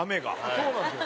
そうなんですよ。